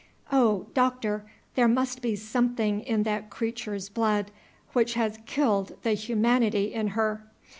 Oh, Doctor! there must be something in that creature's blood which has killed the humanity in her.